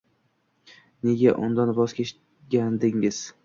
Nega undan voz kechgandingiz